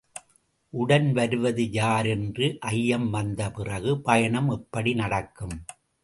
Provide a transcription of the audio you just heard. உடன் வருவது யார் என்ற ஐயம் வந்தபிறகு, பயணம் எப்படி நடக்கும்?